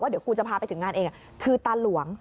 เดี๋ยวกูจะพาไปถึงงานเองคือตาหลวง